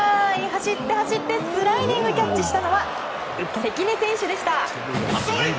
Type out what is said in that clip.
走って、走ってスライディングキャッチしたのは関根選手でした。